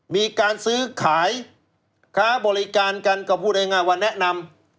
มีการซื้อขายค้าบริการกันก็พูดง่ายว่าแนะนำ